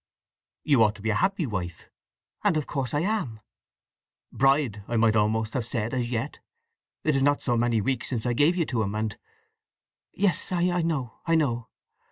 "You ought to be a happy wife." "And of course I am." "Bride, I might almost have said, as yet. It is not so many weeks since I gave you to him, and—" "Yes, I know! I know!"